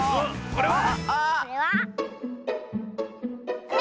これは⁉